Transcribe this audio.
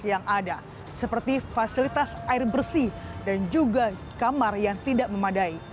yang ada seperti fasilitas air bersih dan juga kamar yang tidak memadai